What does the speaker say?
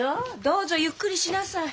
どうぞゆっくりしなさい。